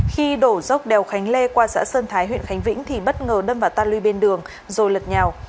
khi đổ dốc đèo khánh lê qua xã sơn thái huyện khánh vĩnh thì bất ngờ đâm vào tan lưu bên đường rồi lật nhào